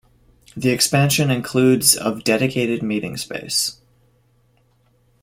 The expansion includes of dedicated meeting space.